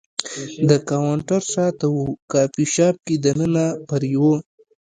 د کاونټر شاته و، کافي شاپ کې دننه پر یوه.